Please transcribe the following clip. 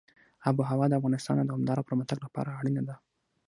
آب وهوا د افغانستان د دوامداره پرمختګ لپاره اړینه ده.